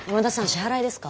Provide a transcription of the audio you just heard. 支払いですか？